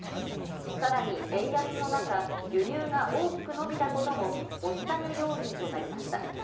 さらに円安の中、輸入が大きく伸びたことも押し下げ要因となりました。